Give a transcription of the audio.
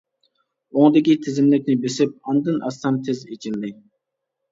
ئوڭدىكى تىزىملىكنى بېسىپ ئاندىن ئاچسام تېز ئېچىلدى.